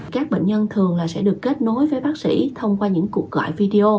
các bệnh nhân thường là sẽ được kết nối với bác sĩ thông qua những cuộc gọi video